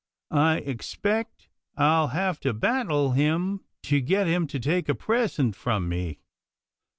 I expec' I'll have to battle him to git him to take a present from me."